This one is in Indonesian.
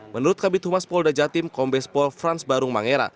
menurut kabit humas polda jatim kombes pol frans barung mangera